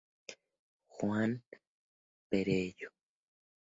Juan Perelló.